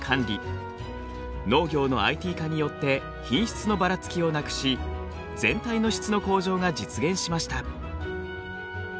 農業のＩＴ化によって品質のばらつきをなくし全体の質の向上が実現しました。